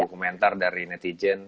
komentar dari netizen